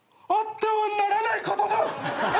あってはならないことが！